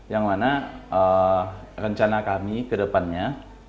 yang mana rencana kami kedepannya